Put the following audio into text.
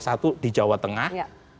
satu di jawa tengah